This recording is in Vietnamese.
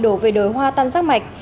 đổ về đồi hoa tam giác mạch